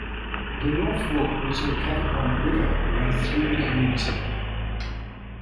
The North Fork Little Cacapon River runs through the community.